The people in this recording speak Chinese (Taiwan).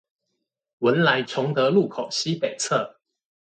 文萊崇德路口西北側